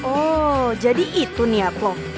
oh jadi itu niat lo